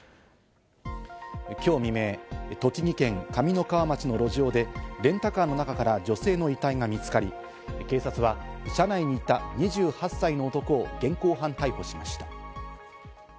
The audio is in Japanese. きょう未明、栃木県上三川町の路上でレンタカーの中から女性の遺体が見つかり警察は車内にいた２８歳の男を現行犯逮捕しました。